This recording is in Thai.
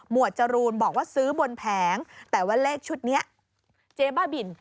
จรูนบอกว่าซื้อบนแผงแต่ว่าเลขชุดนี้เจ๊บ้าบิน